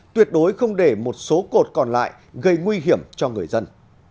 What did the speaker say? tuyệt đối không để một số cột còn lại gây nguy hiểm cho người dân